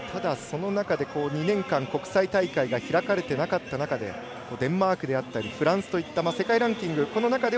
ただ、その中で２年間国際大会が開かれていなかった中でデンマークであったりフランスといった世界ランキング